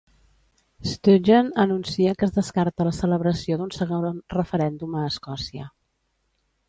Stugeon anuncia que es descarta la celebració d'un segon referèndum a Escòcia.